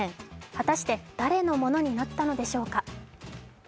果たして、誰のものになったのでしょうか。